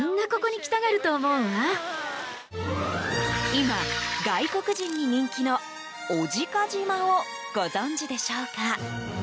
今、外国人に人気の小値賀島をご存じでしょうか。